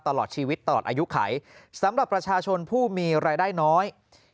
ตลอดชีวิตตลอดอายุไขสำหรับประชาชนผู้มีรายได้น้อย